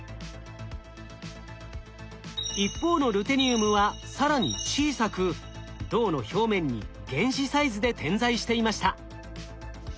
一方のルテニウムは更に小さく銅の表面に原子サイズで点在していました。